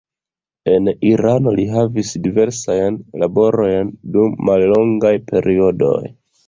En Irano li havis diversajn laborojn dum mallongaj periodoj.